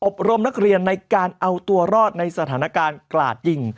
รมนักเรียนในการเอาตัวรอดในสถานการณ์กราดยิง